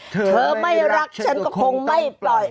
เธอไม่รักฉันก็คงไม่ปล่อย